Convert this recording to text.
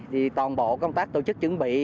thì toàn bộ công tác tổ chức chuẩn bị